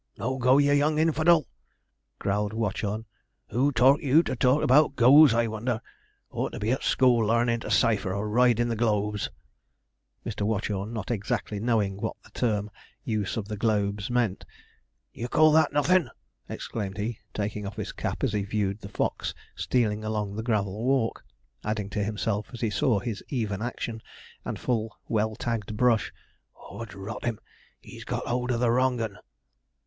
'No go, ye young infidel,' growled Watchorn, 'who taught you to talk about go's, I wonder? ought to be at school larnin' to cipher, or ridin' the globes,' Mr. Watchorn not exactly knowing what the term 'use of the globes,' meant. 'D'ye call that nothin'!' exclaimed he, taking off his cap as he viewed the fox stealing along the gravel walk; adding to himself, as he saw his even action, and full, well tagged brush, ''Ord rot him, he's got hold of the wrong 'un!'